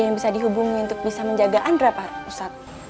yang bisa dihubungi untuk bisa menjaga andre pak ustadz